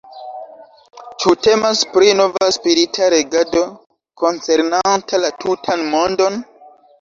Ĉu temas pri nova spirita regado koncernanta la tutan mondon?